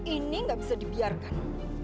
ini gak bisa dibiarkan